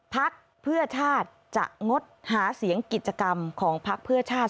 พักเพื่อชาติจะงดหาเสียงกิจกรรมของพักเพื่อชาติ